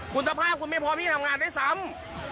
คุณภาพคุณไม่พร้อมที่จะทำงานด้วยซ้ำ